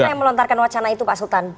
siapa yang melontarkan wacana itu pak sultan